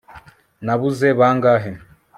nabuze bangahe